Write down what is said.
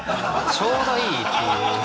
ちょうどいいっていう。